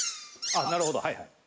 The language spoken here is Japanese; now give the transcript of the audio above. あっなるほどはいはい。